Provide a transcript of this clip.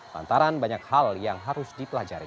lantaran banyak hal yang harus dipelajari